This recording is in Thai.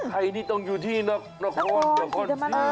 ไข่นี่ต้องอยู่ที่นครสี